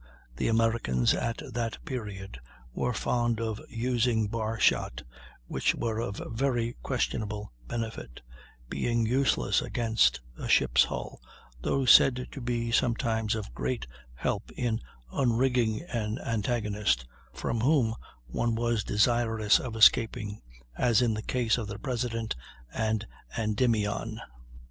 The Americans at that period were fond of using bar shot, which were of very questionable benefit, being useless against a ship's hull, though said to be sometimes of great help in unrigging an antagonist from whom one was desirous of escaping, as in the case of the President and Endymion.